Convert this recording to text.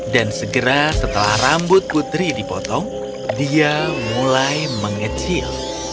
dan segera setelah rambut putri dipotong dia mulai mengecil